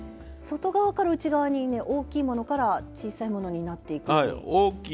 外側から内側にね大きいものから小さいものになっていくという。